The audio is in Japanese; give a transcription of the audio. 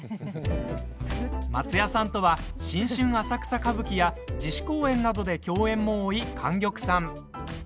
松也さんとは「新春浅草歌舞伎」や自主公演などで共演も多い莟玉さん。